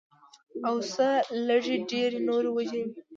او څۀ لږې ډېرې نورې وجې وي